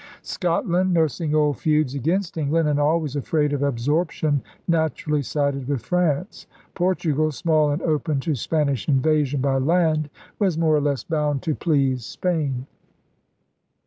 Scotland, nursing old feuds against Eng land and always afraid of absorption, naturally sided with France. Portugal, small and open to Spanish invasion by land, was more or less bound to please Spain.